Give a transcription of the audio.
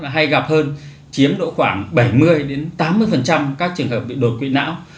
hay gặp hơn chiếm độ khoảng bảy mươi tám mươi các trường hợp bị đột quỵ não